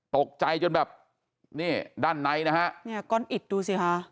ตกใจจนแบบนี่ด้านในนะฮะเนี่ยก้อนอิดดูสิค่ะ